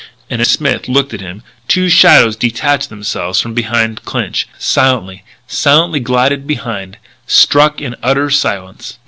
And, as Smith looked at him, two shadows detached themselves from the trees behind Clinch silently silently glided behind struck in utter silence.